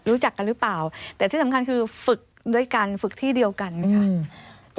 รู้จักกันหรือเปล่าแต่ที่สำคัญคือฝึกด้วยกันฝึกที่เดียวกันค่ะ